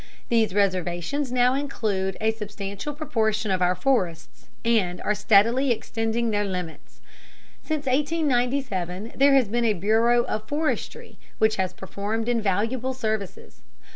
These reservations now include a substantial proportion of our forests, and are steadily extending their limits. Since 1897 there has been a Bureau of Forestry which has performed invaluable services.